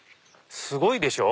すごいでしょ。